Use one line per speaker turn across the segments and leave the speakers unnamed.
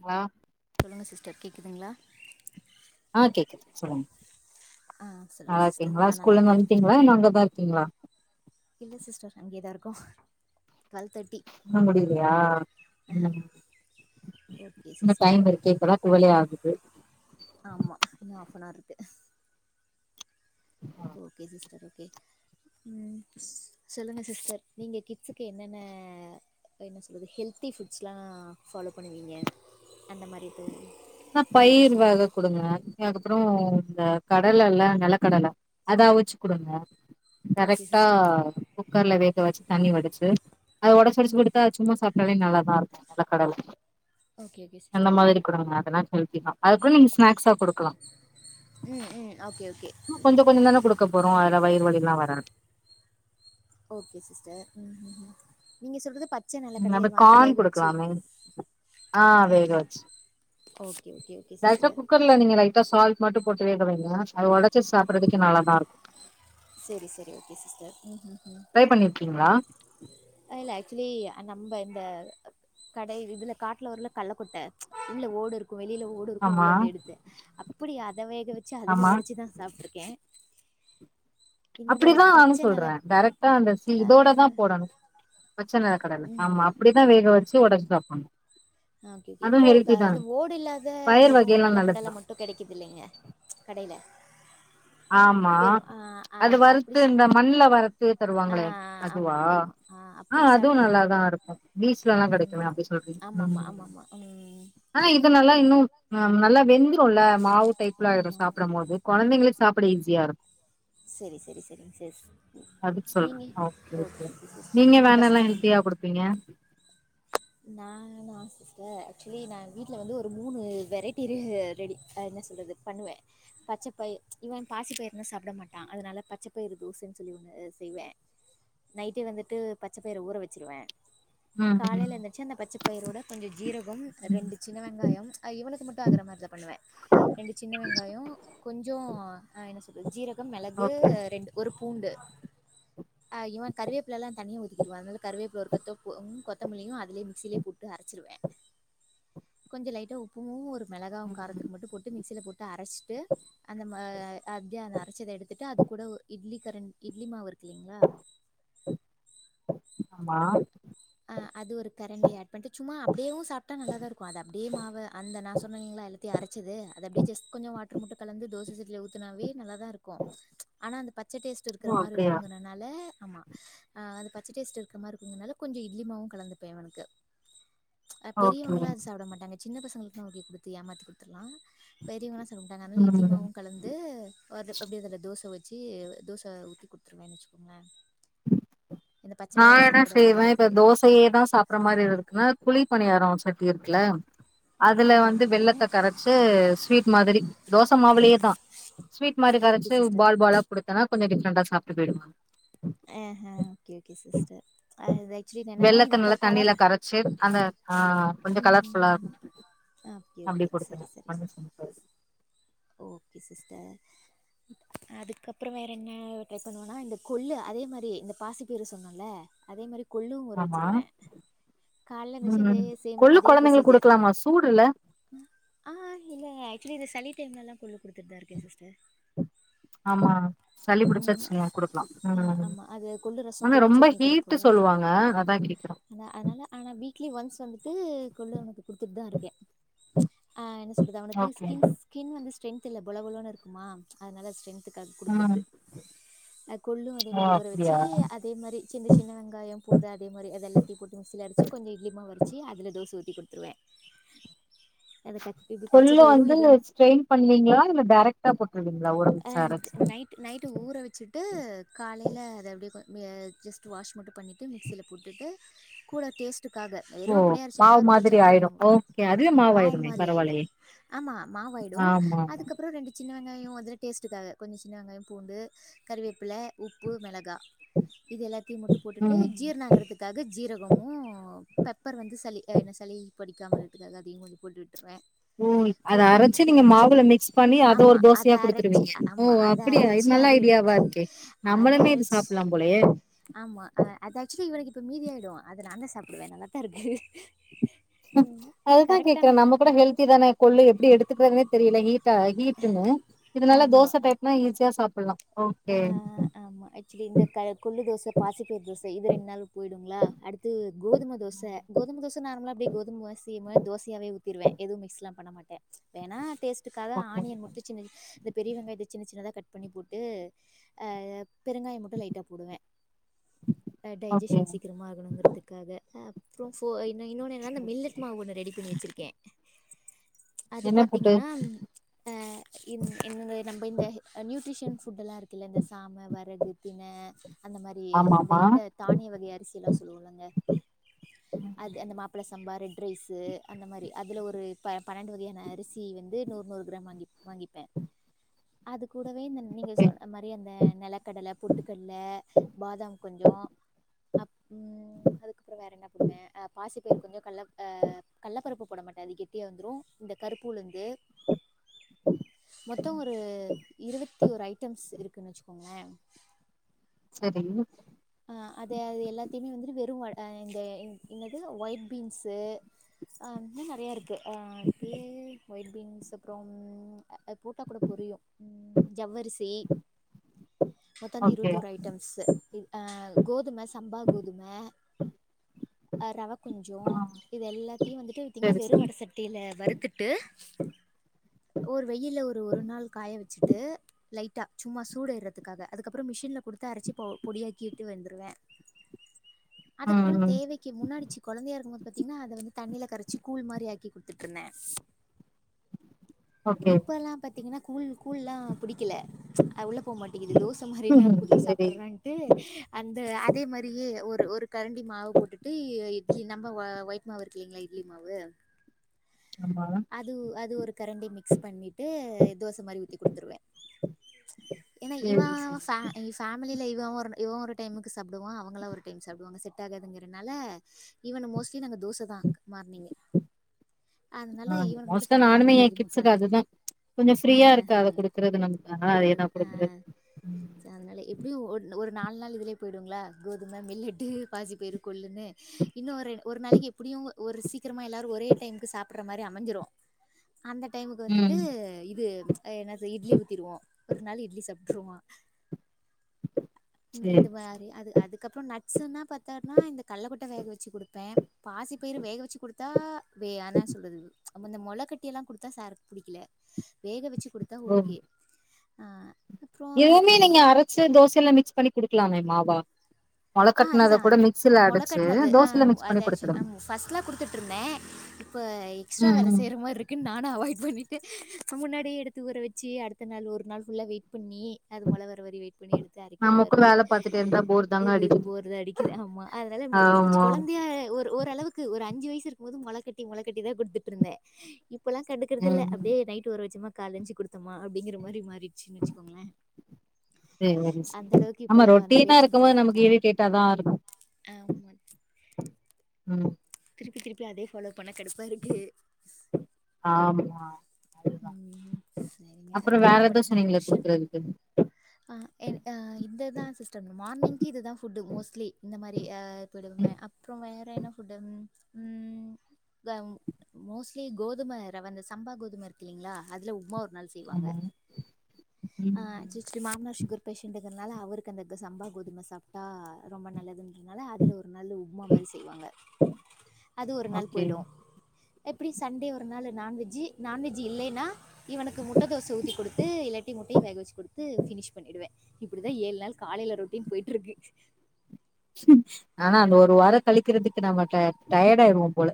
Hello சொல்லுங்க sister கேக்குதுங்ளா
ஆ கேக்குது சொல்லுங்க
ஆ சொல்லுங்க
நல்லா
சிஸ்டர்
இருக்கீங்களா
நா
ஸ்கூல்ல இருந்து
நல்லாருக்கே
வந்துட்டீங்களா இல்ல அங்கதா இருக்கீங்களா
இல்ல சிஸ்டர் அங்கயேதா இரு க்கொ
இன்னு முடிலயா ம்
ஓகே
இன்னு
சிஸ்டர்
டைம் இருக்கெ இப்பதா டுவல்லே ஆகுது
ஆமா இன்னு ஆஃபனார்ருக்கு ஓகே சிஸ்டர் ஓகே சொல்லுங்க சிஸ்டர் நீங்க கிட்ஸுக்கு என்னென்ன என்ன சொல்றது ஹெல்த்தி ஃபுட்ஸ்லா ஃபாலோ பண்ணுவீங்க அந்த மாரி இது
ண்ணா
இது எது
பயிர்
சொல்லுங்க
வக குடுங்க அதுக்கப்புற இந்த கடல இல்ல நெல கடல அத அவுச்சு குடுங்க
ஓகே
கரெக்ட்டா
சிஸ்டர்
குக்கர்ல வே க வச்சு தண்ணி வடிச்சு அத ஒடச்சி ஒடச்சி
ம்
கொடுத்தா சும்மா சாப் டலே நல்லாதா இருக்கும் நெல கடல
ஓகே ஓகே சிஸ்டர்
சினாக்ஸ் மில்க்கிதா அதுக்குனு நீங்க சினாக்ஸா கொடுக்கலாம்
ம் ம் ஓகே ஓகே
கொஞ்சோ கொஞ்சம் தான குடுக்க போறோம் அதுல வயிறு வலிலாம் வரா
ஓகே சிஸ்டர் ம்ம் நீங்க சொல்றது ப
நம்ப கான் குடுக்கலாமே ஆ வேகவச்சு
ஓகே, ஓகே, ஓகே
லைட்டா
சிஸ்டர்.
குக்கர்ல நீங்க லைட்டா சால்ட் மட்டும் போட்டு வேகவைங்க அத ஒடச்சி சாப்படறதுக்கு நல்லாதா இருக்கும்
செரி செரி ஓகே சிஸ்டர் ம் ம்
ட்ரை பண்ணிருக்கீங்களா [inaudible]
இல்லல்ல ஆக்சுவலி நம்ப இந்த கடை இதுல காட்ல வரும்ல கள்ளக்கொட்ட உள்ள ஓடு இருக் கும் வெளில ஓடு இருக்கும்
ஆமா
உள்ளந்து எடுத்து அப்பிடியா இத வேக வச்சு அதுல
ஆமா
ஒடச்சிதா சாப்ட்டுருக்கே
அப்பிடிதா நானு
நெல
சொல்றே டேரக்ட்டா அந்த சி
ஆ
இதோட தா போடனு பிரச்சன கடல
ம்.
ஆமா அப்டிதா வேக வச் சி ஒடச்சி சாப்பனும்
ஆ ஓகே ஓகே இப்போ க இந்த ஓடு இல்லாத
பயிர்
வெறும்
வகையெல்லா
நெலக்கடல
நல்லதுதா
மட்டு கெடைக்கிது இல்லைங்க கடையில
ஆமா
வெறும் ஆ
அது
அப்படி
வறுத்து இந்த மண்ல வறத்து
ஆ
தருவாங்களே அதுவா
ஆமாமாமா.
ஆ
அப்படி
அதுவு
சாப்ட்டுருக்கேன்.
நல்லாதா இருக்கும் பீச்லலான்
ம்
கெடைக்குமே அப்டி சொல்றிங் ம்
ஆமாமா
ம்
ஆமாமா ம்
ஆனா இது நல்லா இன்னும் ம் நல்லா வெந் துரும் இல்ல மாவு டைப்ல ஆயிடும்
ஆமாமா
சாப்ட மோது கொழந்தைங்களு அப்டி ஈஸியா இரு
செரி செரி செரிங்க செ நீங்க ஓகே நீங்க
வேனெல்லா
பசங்க
ஹெல்த்தியா குடுப்பீங்க
நா நா சிஸ்டர் ஆக்சுவலி நா வீட்ல வந்து ஒரு மூணு வெரைட்டி இரு ரெடி என்ன சொல்றது பண்ணுவேன் பச்சப்பயிர் இவன் பாசிப்பயிறன்னா சாப்ட மாட்டா அதனால பச்சப்பயிறு தோசன்னு சொல்லி ஒன்னு செய்வேன் நைட்டே வந்துட்டு பச்சப்பயிற ஊற வச்சிருவே
ம் ம்
பச்சப்பயிரோட கொஞ்ச ஜீரகம் ரெண்டு சின்ன வெங்காயம் இவனுக்கு மட்டு ஆகற மாரிதா பண்ணுவே ரெண்டு சின்ன வெங்காயம் கொஞ்சோம் ஆ என்ன அப்புறம் ஜீர க்க மெளகு
ஓகே
ரெண்டு ஒரு பூண்டு ஆ இவ கருவேப்பில எல்லா தனி ஒதுக் கிருவே அதனால கருவேப்பில ஒரு கொத்து போ ம் கொ த்தமல்லியு அது லயே மிக்சிலயே அரச்சிருவே. கொஞ்ச லைட்டா உப்புமு ஒரு மெளகாவு
ம்
காரத்துக்கு மட்டு போட்டு மிக்சில போட் டு அரச்சிட்டு அந்த மா அப்டியே அந்த அரச்சத எடுத்துட்டு அது கூட ஒ இட்லி கரண் இட்லி மாவு இருக்
ஆமா
ஆ அது ஒரு கரண்டி ஆட் பண்ணிட்டு சும்மா அப்டியேவு சாப்ட்டா நல்லாதா இருக்கு அது அப்டியே மாவ அந்த நா சொன்னே இல்லைங்ளா எல்லாத்தையு அரைச்சது அது அப்டியே ஜஸ்ட் கொஞ்சோ வாட்ரு மட்டு கலந்து தோச சட்டில ஊத்துனாவே நல்லதா இருக்கு ஆனா அந்த பச்ச டேஸ்ட் இருக்கற
ஓ
மாரி
அப்டியா
இருக்குங்கனனால ஆமா ஆ அது பச்ச டேஸ்ட்டு இருக்க மார இருக்குங்கறனால கொஞ்ச இட்லிமாவு கலந்துப்பே இவனுக்கு. அ
ஓகே
பெரியவங்கல்லா அத சாப்ட மாட்டாங்க சின்ன பசங்களுக்கு நாம போய் குடுத்து ஏமாத்தி குடுத்துர்லா பெரியவங்கல்லா சாப்டமாட்டாங்க அதனால
ம்
இட்லிமாவு கலந்து அது அப்டியே அதுல தோச ஊத் வச்சி தோச ஊத்தி குடுத்துருவேன்னு வச்சுக்கோங்களே. இந்த பச்ச
நா
பயிற
என்ன
சாப்பட
செய்வே
வைக்கிறது
இப்ப தோசையேதா சாப்படற மாரி இருக்குன்னா குழி பணியாரோ ச ட்டி இருக்குல்ல அதுல
ஆமா
வந்து
ஆமாங்க
வெல்லத்த கரச்சு ஸ்வீட் மாதிரி தோச மாவுலயேதா ஸ்வீட் மாரி
ஓகே
கரச்சு
சிஸ்டர்
பால் பாலா குடுத்தன்னா கொஞ்ச டிஃப்ரெண்டா சாப் ட்டுக்குவாங்க
ஆ ஹா ஓகே ஓகே சிஸ்டர். அது ஆக்சுவலி என்னன்னா
வெல்லத்த
இது க
நல்லா தண்ணில
கலர்
கரச்சு அந்த ஆ கொஞ்சோ கலர்ஃபுல்லா
ம்
இருக்கு
ஓகே
அப்டி
ஓகே சரி சரி
குடுத்துருவே
ஓகே சிஸ்டர் அதுக்கு அப்புறோ வேற என்ன ட்ரை பண்ணுவேன்னா இந்த கொள்ளு அதே மாரி இந்த பாசி பயிறு சொன்னல்ல அதே மாரி கொள்ளு ஊற
ஆமா
வச்சிருவே. காலைல எந்திருச்சு அதே
ம்
சேம்
கொள்ளு
அதே
கொழந்தைங்களுக்கு
புரொசிஜர்
குடுக்கலாமா சூடுல
அ ஆ இல்ல ஆக்சுவலி இது சளி க்கு என்னல்லா கொள்ளு குடுத்துட்தா இருக்கே சிஸ்டர்.
ஆமா சளி புடிச்சுச்சு
ம்
வச்சுக்கயே குடுக்கலா.
ஆ
ம் ம்
ஆமா அது கொள்ளு ரசம்
ஆனா
கொள்ளு
ரொம்ப
சட்னி
ஹீட்டு
குடுப்போல்ல
சொல்வாங்க அதா கேக்கறே.
க்லி ஒன்ஸ் வந்து ட்டு கொள்ளு அவுனுக்கு குடுத்துட்டுதா இருக்கே. ஆ என்ன சொல்றது அவனுக்கு
ஓகே
ஸ்கின்ஸ் வந்து ஸ்டரென்தில்ல புல புலனு இருக்குமா அதனால ஸ்ட்ரெ்
ம்
குடுக்கிறது கொல்லும் அதே
ஓ
மாரி
அப்டியா
ஊரவச்சு அதே மாரி சின்ன சின்ன வெங்காயம் பூண்டு அதே மாரி அத எல்லாத்தையும் போட்டு மிக்சில அடிச்சி கொஞ்சோ இட்லி மாவு அரைச்சு அதுல தோசை குடுத்துருவேன் அத க பச்ச
கொள்ளு
பயிறும்
வந்து
இதுவும்
ஸ்ட்ரெயின் பண்ணுவீங்களா இல்ல டைரக்டா போட்டுருவீங்களா ஊற
அ
வச்சு அரச்சு
நைட் நைட் ஊற வச்சுட்டு காலயில அது அப்டி ஆ ஜஸ்ட் வாஷ் மட்டும் பண்ணிட்டு மிக்சியில போட்டுட்டு கூட டேஸ்ட் க்காக வெறும்
ஓ
அப்டியே
மாவு
அரைச்சோம்னா ரொம்ப
மாதிரி
சப்புனு
ஆயிடும் ஓகே அதுவே
மாவு
மாவாயிடுமே
மாரி ஆயிடும்
பரவாயில்லையே
ஆமா மாவு ஆயிடு உ
ஆமா ஆமா
அதுக்கப்றோ ரெண்டு சின் சின்ன வெங்காயம் அதுல டேஸ்ட்டுக்காக கொஞ்சம் சின்ன வெங்காயம் பூண்டு கறிவேப்பில உப்பு மிளகா இது எல்லாத்தையும் முட்டு போட்டுட்டு
ம்
ஜீரண ஆகறதுக்காக ஜீரகமு பெப்பர் வந்து சளி என்ன சளி படிக்காம இருக்கறது அந்த மாரி [unintelligible]
ஓ அத அரச்சு நீங்க
அரைச்சிட்டு
மாவுல மிக்ஸ் பண்ணி அத
ஆமா
ஒரு
அத
தோசையா
அரைச்சு
குடுத்துருவீங்க ஓ
ஆமா அத
அப்டியா இது
அரைச்சி
நல்ல
அத
ஐடியாவா
எடுத்து
இருக்கே
அத
நம்மளுமே இது
அரைச்சு
சாப்லாம் போலயே
ஆமா ஆக்சுவல இ இப்ப மீதி ஆயிடும் அது நா தா சாப்டுவேன் நல்லாதாருக்கு
ம் அதுதா கேக்றேன்
நம்மள
நம்ம கூட ஹெல்தி தானே கொள்ளு எப்டி எடுத்துக்கிறதே தெரிலயே [unintelligible] ஹீட்டுன்னு இதனால
ஆமா.
தோச டைப்னா ஈஸியா சாப் ஃபுல்லும்
ஆ ஆமா ஆக்சுவலி இந்தக் கொள்ளு தோச பாசிப்பயிர் தோச இது ரெண்டு நாள் போய்டுங்ளா அடுத்து கோதும தோச கோதும தோச நார்மலா அப்டியே கோதும [unintelligible] தோசையாவே ஊத்திருவே எது மிகஸ்லா பண்ண மாட் வேணா டேஸ் த்துக்காக
ஓகே
ஆணியன் முட்டு [unintelligible] த பெரிய வெங்காயத்த சின்ன சின்னதா கட் பண்ணி போட்டு அ பெருங்காய மட்டு லைட்டா போடுவேன்
ஓகே
டைஜஷன் சீக்கரமா ஆகணுங்றதுக்காக [unintelligible] இன்ன ஒன்னு என்னன்னா மில்லட் மாவு ஒன்னு ரெடி பண்ணி வச்சிருக்கேன் அது
என்ன புட்டு
பாத்தீங்கனா அ இன் என்னதை நம்ம இந்த நியூட்ரிஷன் ஃபுட் எல்லா இருக் இந்த சாம வரகு திணை அந்த மாதிரி
ஆமா
அந்த
ஆமா
இந்த தானிய வகை அரிசி எல்லா செல்லுவோ இல்லங்க அது அந்த மாப்பிள்ள சம்ப [unintelligible] ரைஸ்சு அந்த மாதிரி அதுல ஒரு பன் பன்னிரண்டு வகையான அரிசி வந்து நூறு நூறு கிராம் வாங்கி வாங்கிப்பேன். கூடவே இந்த நீங்க
ஓகே
சொன்ன படி அந்த நெல க்கடல பொட்டுக்கல்ல பாதாம் கொஞ்சோ அப் ம் அதுக்கப்றோ வேற என்ன போடுவே ஆ பாசிப்பயறு கொஞ்சோ கல்லப் ஆ கல்ல பருப்பு போட மாட்டே அது கெட்டியா வந்துரு. இந்த கருப்பு உளுந்து மொத்தோ ஒரு இருவத்தி ஓரு அயிட் ஸ் இருக்குனு வச்சுக்கோங்களே
சரி
த்தையுமே வந்துட்டு வெறு ஒ ஆ இந்த இன் என்னது ஒயிட் பீன்ஸு ஆ இன்னு நெறையா இருக்கு ஆ பேர் ஒயிட் பீன்ஸ் அப்றம் அ ஆ போட்டா கூட பொரியு ம் ஜவ்வரிசி மொத்தோ வந்து
ஓகே
இருவத்தோரு ஐட்டம்ஸு இது ஆ கோதும சம்பா கோதும ஆ ரவ கொஞ்சோ
ஆ
இது எல்லாத்தையு வந்துட்டு பாத்தீங்கன்னா
சரி
வெறு
சரி
வட சட்டியில வறுத்துட்டு ஒரு வெயில்ல ஒரு ஒரு நாள் காய வச்சுட்டு லைட்டா சும்மா சூடு ஏறதுக்காக அதுக்கப்புறோ மிஷின்ல குடுத்து அரைச்சி பவு பொடியாக் க்கிட்டு வந்துருவே. அதுக்கப்பறோ
ம் ம்
தேவைக்கி முன்னாடி சி கொழந்தையா இருக்கும்போது பாத்தீங்கன்னா அத வந்து தண்ணியில கரைச்சு கூழ் மாரி ஆக்கி குடுத்துட்ருந்தே.
ஓகே
இப்ப எல்லா பாத்தீங்கன்னா கூழ் கூழ்லா புடி க்கல ஆ உள்ள போமாட்டேங்குது தோச மாரினா
ம்
குடி
சரி
சாப்படறான்ட்டு அந்த அதே மாரியே ஒரு ஒரு கரண்டி மாவு போட்டுட்டு இட்லி நம்ம அ ஆ ஒயிட் மாவு இருக்கு இல்லீங்களா இட்லி மாவு
ஆமா
அது அது ஒரு கரண்டி மிக்ஸ் பண்ணிட்டு தோச மாரி ஊத்தி குடுத்துருவே ஏன்னா இவா
சரி சரி
சா இ சா மலில இவ ஒரு ந இவ ஒரு டைமுக்கு சாப்டுவா அவங்கல்லா ஒரு டைம் சாப்டுவாங்க செட் ஆகாதுங்கிறனால ஈவன் மோஸ்ட்லி நாங்க தோசதா மார்னிங்கு. அதனால
ஆ
இவனுக்கு மட்டு
மோஸ்ட்டா
தனியா
நானுமே
தொடில
என்
இருந்து
கிட்ஸுக்கு
ஊத்தறது
அதுதா கொஞ்சோ
ஆ
ஃப்ரீயா
ஹா
இருக்கு
ஹா
அத குடுக்குறது நமக்கு அதனால அதேதா
குடுக்குறது ஆ சோ அதனால இப் எப்டியு ஒண்ணு ஒரு நால் நாளு இதுலயே போயிடுங்களா கோதும மில்லட்டு பாசிப் பயிறு கொள்ளுன்னு இன்னு ஒரு ஒரு நாளைக்கி எப்டியு ஒரு சீக்கிரமா எல்லாரு ஒரே டைமுக்கு சாப்பிடற மாரி அமைஞ்சிரு அந்த டைமுக்கு வந்துட்டு
ம்
இது ஆ என்னது இட்லி ஊத்திருவோ ஒரு நாளு இட்லி சாப் ட்ருவா இந்
சரி
இந்த மாரி அது அதுக்கப்புறோ ந ட்ஸுன்னா பாத்தன்னா இந்த கல்ல கொட்ட வேக வச்சு குடுப்பே பாசிப் பயிறு வேக வச்சு குடு த்தா வே என்னா சொல்றது அம்ம இந்த மொள கட்டி எல்லா குடுத்தா சாருக்கு புடிக்கல வேக வச்சு கொடுத்தா ஓகே. ஆஹ்.
எதுமே நீங்க அரைச்சி தோசைல மிக்ஸ் பண்ணி. குடுக்கலாமே மாவா. மொள
ஆஹ்
கட்னத
அதுதான்
கூட மிக்சில
மொளை
அடிச்சு
கட்டினது.
தோசைல
ஆஹ்
மிக்ஸ் பண்ணி
அதாச்ச
குடுத்துருங்க
பஸ்ட் எலாம் குடுத்துட்டு இருந்தேன். இப்போ எக்ஸ்ட்ரா
ம்
வேலை
ம்
செய்ற மாதிரி இருக்குன்னு நான அவாய்ட் பண்ணி. முன்னாடியே எடுத்து ஊற வெச்சி அடுத்த நாள் ஒரு நாள் ஃபுல்லா வெயிட். பண்ணி அது மொள வர வர வெயிட் பண்ணி எடுத்து அரைக்கதா
நமக்கு
இருக்கு.
வேல பாத்துட்டே இருந்தா போர் தாங்க அடிக்குது
போர்து அடிக்குது. ஆமா, அதனால
ஆமா
குழந்தையா ஒரு ஓரளவுக்கு ஒரு அஞ்சு வயசு. [unintelligible] இருக்கும் போது மொளகட்டி மொளகட்டி தான் கொடுத்துட்டு இருந்தேன் இப்ப. இப்பல்லாம் கண்டுகறதில்ல
ம்
அப்படியே நைட் ஊர வச்சுமா. கலஞ்சு குடுத்தோமா அப்படிங்கிற மாரி மாறிடுச்சுன்னு வச்சுக்கோங்களேன்.
சரி
அந்த
சரி ஆமா ரொட்டினா இருக்கும் போது நமக்கு ஈரிட்டேட்டிங்.
ஆம.
உம்.
திருப்ப திருப்பி அதேபாலோ. பண்ண கடுப்பா இருக்கு.
ஆமா அதுதா
ம் செரிங்க. அ
அப்றோ வேற
இது மட்டு
எதோ சொன்னீங்களே
தா
குடுக்குறதுக்கு
அ என் ஆ இந்த தா மார்னிங்கு இது தா ஃபுட்டு மோஸ்லி இந்த மாரி ஆ போயடுவேமே.
ம்
அப்றோ வேற என்ன ஃபுட்டு? உம். மோஸ்ட்லி கோதும ரவ அந்த சம்பா கோதுமை இருக்குல்லைங்களா அதுல உப்மா. செய்வாங்க.
ஆமாங்க ம்
ச ச மாமனார் சுகர் பேஷண்ட். அதனால, அவருக்கு அந்த சம்பா கோதுமை சாப்பிட்டா ரொம்ப நல்லது. அதனால, அதுல ஒரு நல்ல உப்புமா மாதிரி செய்வாங்க. அது ஒரு நாள்
ஓகே
போய்டும். எப்படி சண்டே ஒரு நாள் நாண்வெஜ்ஜ். நான்வெஜ்ஜ் இல்லைன்னா. இவனுக்கு முட்டை தோசை ஊத்தி குடுத்து, இல்லாட்டி முட்டையை வேக வச்சு கொடுத்து பிஃனிஷ் பண்ணிடுவேன். இப்டி தா ஏல் நாள் காலையில ரொட்டின் போயிட்டு இருக்கு.
ஆனா அந்த ஒரு வாரம் கழிக்கிறதுக்கு நாம டயர்டாயிருவோம் போல.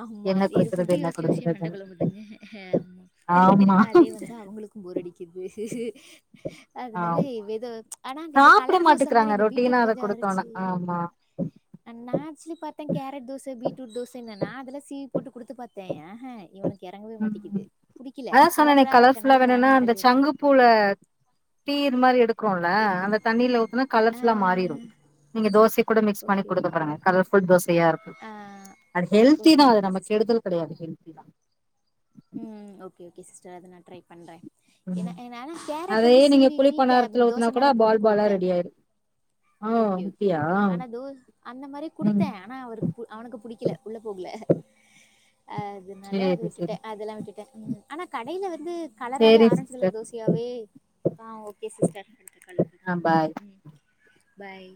ஆமா.
என்ன
எது
குடுக்குறது
ஃபுட்டு்
என்ன
யோசிச்சு யோசிச்சு
குடுக்குறதுன்னு
மண்டைக்குழம்புதுங்க. ஹ ஆமா திருப்பி
ஆமா
திருப்பி அதே வந்து அவங்களுக்கும் போர் அடிக்கு. துது [inaudible]
ஆ
அதனல்ல இவேதோ. ஆனா இங்க இந்த
சாப்ட
கலர் தோச மாரி,
மாட்டுக்கிறாங்க
இந்த
ரொட்டீனா
பீட்ரூட்
அத
கொஞ்ஜோ
குடுத்தோனா
அரச்சு
ஆமா
நாச்சலி பாத்தே கேரட் தோச பீட்ரூட் தோச. நான் அதெல்லாம் சீவி போட்டு குடுத்து பார்த்தேன். ஆஹ இவனுக்கு இறங்கவே
ம்
மாட்டேக்குது பிடிக்கல
அதான் சொன்னேனே
கலர்
கலர்ஃபுல்லா
இருக்கனால
வேணும்னா
வேணான்னு
அந்த
தள்ளி விட்றான்.
சங்கு ஆ, அந்த தண்ண ஊத்துனா கலர் ஃபுல்லா மாறிறும். நீங்க தோசை கூட மிக்ஸ் பண்ணி
ஓகே
கொடுத்து
ஓகே
பாருங்க. கலர்புல் தோசை. அப்படியா இருக்கு.
ஆ
அது ஹெல்தி
ஓகே
தான். அது
ஓகே
நம கெடுதல் கிடையாது. ஹெல்தி தான்.
ம்ம். ஓகே ஓகே சிஸ்டர் அத நான் ட்ரை பண்றேன். ஏனா நா,
ம்
ஏனா கேரட்
அதே
வந்து
நீங்க
சீவி
குளிப்பண்டாரத்துல ஊத்துனா
தோச
கூட
மேல போட்டு
பால் பாலா
குடுத்தே.
ரெடி ஆயிரும் ஓ
ஓகே ஓகே.
அப்டியா
ஆனா அந்த மாரி
ம்
குடுத்தே ஆனா அவருக்கு அவனுக்கு புடிக்கல, உள்ள போகல. அதனால அது
சேரி
விட்டு.
சேரி
அதெல்லாம் விட்டுட்ட ஆனா கடையில வந்து. வந்து கலராவே
சேரி
ஆரஞ்ச் கலர்
சிஸ்டர்
தோசையாவே. ஆ ஓகே சிஸ்டர்.
ஆ பாய்
ம் பாய்.